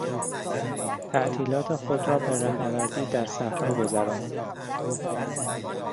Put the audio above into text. تعطیلات خود را به رهنوردی در صحرا گذراند.